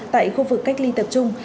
tại khu vực cách ly tập trung